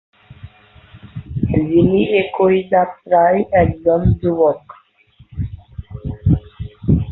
যিনি একই যাত্রায় একজন যুবক।